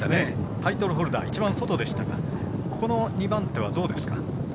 タイトルホルダー一番外でしたが２番手は、どうですか？